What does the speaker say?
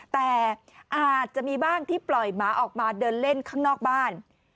แต่อาจจะมีบ้างที่ปล่อยหมาออกมาเดินเล่นข้างนอกบ้าน